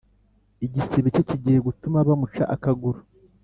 igisebe cye kigiye gutuma bamuca akaguru